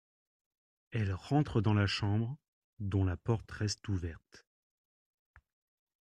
Elle rentre dans la chambre, dont la porte reste ouverte.